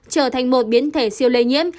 trở thành một biến thể siêu lây nhiễm